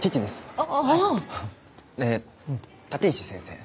立石先生。